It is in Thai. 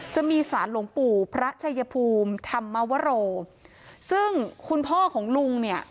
จะมีสารหลวงปู่พระชัยภูมิธรรมวโรซึ่งคุณพ่อของลุงเนี่ย